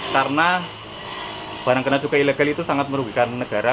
karena barang kena cukai ilegal itu sangat merugikan negara